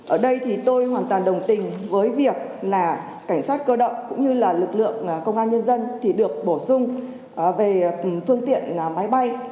ở đây thì tôi hoàn toàn đồng tình với việc là cảnh sát cơ động cũng như là lực lượng công an nhân dân thì được bổ sung về phương tiện máy bay